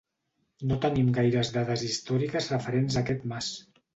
No tenim gaires dades històriques referents a aquest mas.